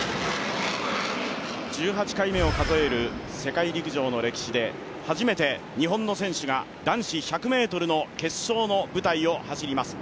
１８回目を数える世界陸上の歴史で初めて日本の選手が男子１００ｍの決勝の舞台を走ります。